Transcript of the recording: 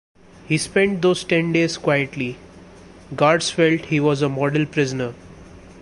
He spent those ten days quietly; guards felt he was a model prisoner.